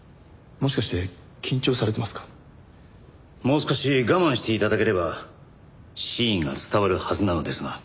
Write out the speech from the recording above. もう少し我慢して頂ければ真意が伝わるはずなのですが。